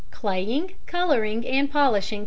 ] _Claying, Colouring, and Polishing Cacao.